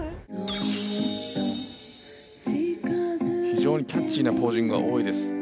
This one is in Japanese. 非常にキャッチーなポージングが多いです。